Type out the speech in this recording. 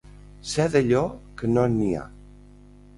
Ser d'allò que no n'hi ha.